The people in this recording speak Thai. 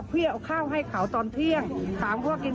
ปรากฏว่าแม่เป็นศพเสียชีวิตแล้ว